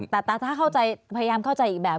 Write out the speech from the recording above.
แต่ถ้าเข้าใจพยายามเข้าใจอีกแบบ